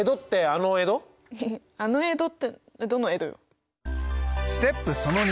あの江戸ってどの江戸よ？